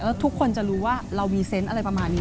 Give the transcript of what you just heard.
แล้วทุกคนจะรู้ว่าเรามีเซนต์อะไรประมาณนี้